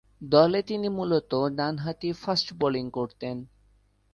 দলে তিনি মূলতঃ ডানহাতি ফাস্ট-বোলিং করতেন।